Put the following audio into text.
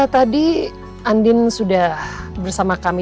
tadi andin sudah bersama kami